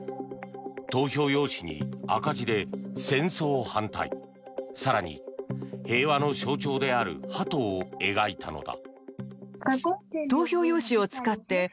投票用紙に赤字で戦争反対更に、平和の象徴であるハトを描いたのだ。